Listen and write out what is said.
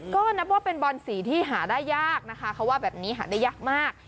ก็นับว่าเป็นบอนสีที่หาได้ยากนะคะเขาว่าแบบนี้หาได้ยากมาก